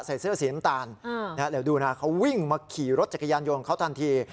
ใส่เสื้อสีน้ำตาลเดี๋ยวดูนะเขาวิ่งมาขี่รถจักรยานยนต์เขาทันที